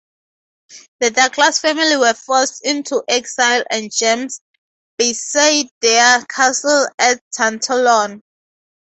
The Douglas family were forced into exile and James besieged their castle at Tantallon.